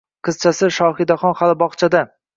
Qizchasi Shohidaxon hali bog`chada